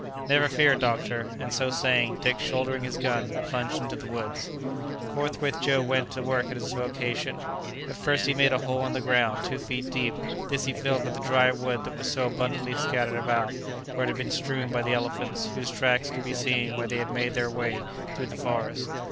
"Never fear, doctor!" and, so saying, Dick, shouldering his gun, plunged into the woods. Forthwith Joe went to work at his vocation. At first he made a hole in the ground two feet deep; this he filled with the dry wood that was so abundantly scattered about, where it had been strewn by the elephants, whose tracks could be seen where they had made their way through the forest.